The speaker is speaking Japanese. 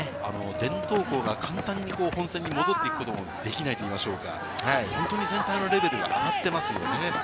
伝統校が簡単に本選に戻ってくることもできないといいましょうか、本当に全体のレベルが上がっていますよね。